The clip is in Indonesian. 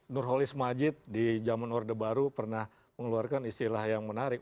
nurholis majid di zaman orde baru pernah mengeluarkan istilah yang menarik